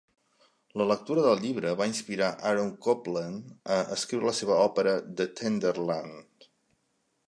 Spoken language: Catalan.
La lectura del llibre va inspirar Aaron Copland a escriure la seva òpera "The Tender Land".